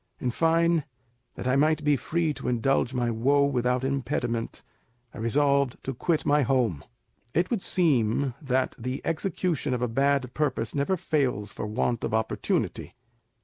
In fine, that I might be free to indulge my woe without impediment, I resolved to quit my home. It would seem that the execution of a bad purpose never fails for want of opportunity.